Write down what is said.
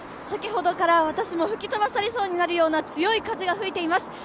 先ほどから私も吹き飛ばされそうになるような強い風が吹いています。